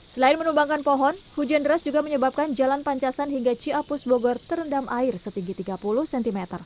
selain menumbangkan pohon hujan deras juga menyebabkan jalan pancasan hingga ciapus bogor terendam air setinggi tiga puluh cm